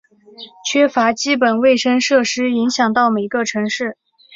缺乏基本卫生设施影响到每个城市。